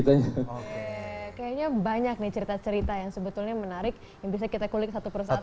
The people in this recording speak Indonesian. kayaknya banyak nih cerita cerita yang sebetulnya menarik yang bisa kita kulik satu persatu